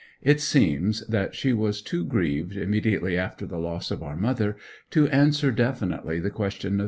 It seems that she was too grieved, immediately after the loss of our mother, to answer definitely the question of M.